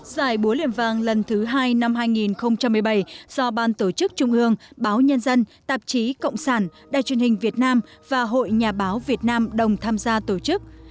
giải búa liềm vàng lần thứ hai năm hai nghìn một mươi bảy do ban tổ chức trung ương báo nhân dân tạp chí cộng sản đài truyền hình việt nam và hội nhà báo việt nam đồng tham gia tổ chức